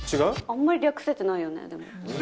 あんまり略せてないよね、でも。